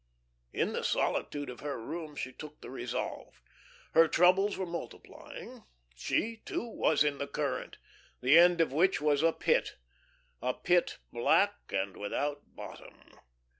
In the solitude of her room she took the resolve. Her troubles were multiplying; she, too, was in the current, the end of which was a pit a pit black and without bottom.